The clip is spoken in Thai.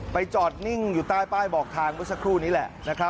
จอดนิ่งอยู่ใต้ป้ายบอกทางเมื่อสักครู่นี้แหละ